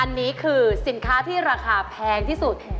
อันนี้คือสินค้าที่ราคาแพงที่สุด